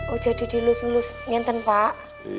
oh jadi dilus lus ngenten pak